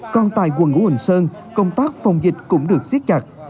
còn tại quần ngũ hồn sơn công tác phòng dịch cũng được xiết chặt